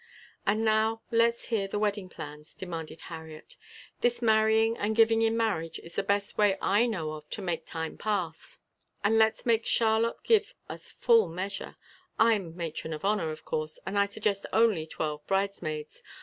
"And now let's hear the wedding plans," demanded Harriet. "This marrying and giving in marriage is the best way I know of to make time pass, and let's make Charlotte give us full measure. I'm matron of honor, of course, and I suggest only twelve bridesmaids.